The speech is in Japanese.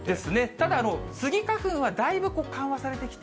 ただ、スギ花粉はだいぶ緩和されてきた。